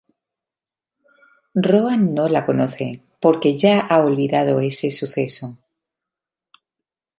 Rohan no la conoce, porque ya ha olvidado ese suceso.